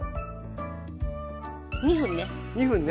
２分ね。